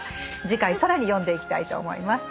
次回更に読んでいきたいと思います。